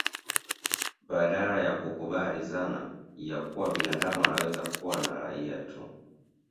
Badala ya kukubali dhana ya kuwa binadamu anaweza kuwa na raia tu